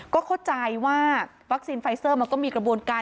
ก็เข้าใจว่าวัคซีนไฟเซอร์มันก็มีกระบวนการ